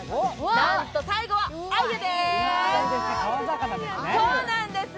なんと、最後は鮎です。